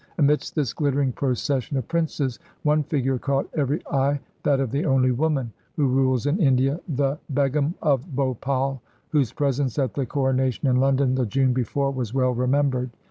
Amidst this glittering procession of princes one figure caught every eye, that of the only woman who rules in India, the Begum of Bhopal, whose presence at the Coronation in London the June before was well remembered.